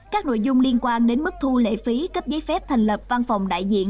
các nội dung liên quan đến mức thu lễ phí cấp giấy phép thành lập văn phòng đại diện